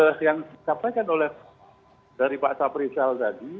mungkin yang disampaikan oleh dari pak safrizal tadi